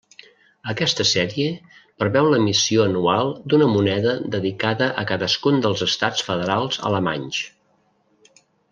Aquesta sèrie preveu l'emissió anual d'una moneda dedicada a cadascun dels estats federals alemanys.